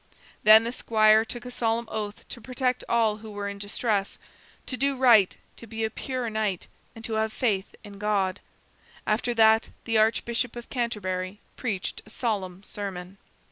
Then the squire took a solemn oath to protect all who were in distress, to do right, to be a pure knight, and to have faith in God. After that the Archbishop of Canterbury preached a solemn sermon.